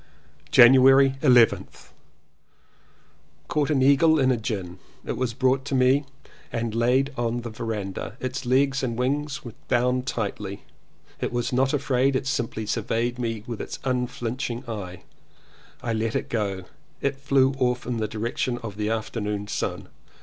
January 11th. Caught an eagle in a gin. It was brought to me and laid on the verandah. Its legs and wings were bound tightly. It was not afraid, it simply surveyed me with its un flinching eye. I let it go and it flew off in the direction of the afternoon sun.